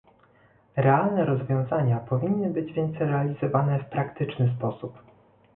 Realne rozwiązania powinny być więc realizowane w praktyczny sposób